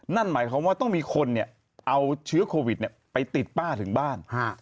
นั่นหมายความว่าต้องมีคนเอาเชื้อโควิดไปติดป้าถึงบ้าน